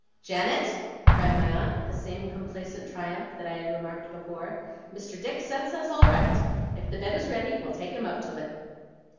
'Janet!' cried my aunt, with the same complacent triumph that I had remarked before. 'Mr. Dick sets us all right. If the bed is ready, we'll take him up to it.